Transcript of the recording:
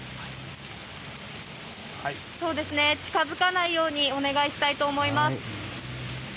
近づかないようにお願いしたいと思います。